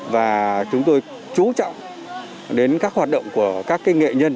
và chúng tôi chú trọng đến các hoạt động của các nghệ nhân